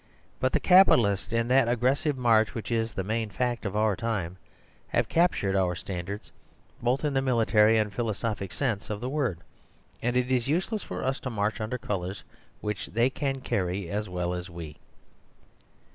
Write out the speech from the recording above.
But the capitalists, in that aggressive march which is the main fact of our time, have captured our standards, both in the military and philosophic sense of the word. And it is useless for us to march under colours which they can carry as well as we.